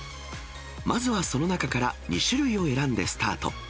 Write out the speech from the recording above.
まずはその中から、２種類を選んでスタート。